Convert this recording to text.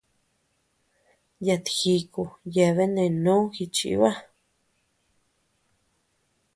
Yat jíku yeabean nde noo jichiba.